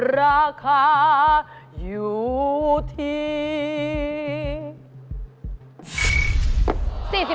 ราคาอยู่ที่